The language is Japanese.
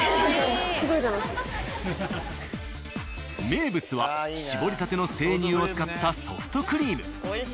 名物は搾りたての生乳を使ったソフトクリーム。